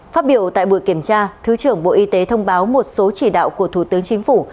phát biểu tại buổi kiểm tra thứ trưởng bộ y tế thông báo một số chỉ đạo của thủ tướng chính phủ